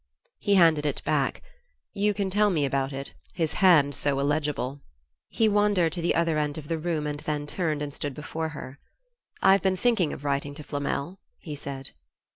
He handed it back. "You can tell me about it his hand's so illegible." He wandered to the other end of the room and then turned and stood before her. "I've been thinking of writing to Flamel," he said.